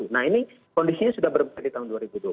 nah ini kondisinya sudah berbeda di tahun dua ribu dua puluh